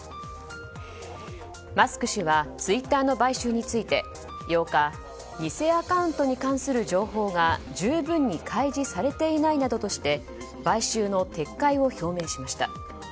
マスク氏はツイッターの買収について８日偽アカウントに関する情報が十分に開示されていないなどとして買収の撤回を表明しました。